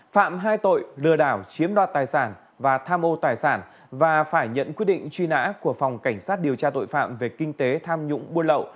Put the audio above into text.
phạm hai tội lừa đảo chiếm đoạt tài sản và tham ô tài sản và phải nhận quyết định truy nã của phòng cảnh sát điều tra tội phạm về kinh tế tham nhũng buôn lậu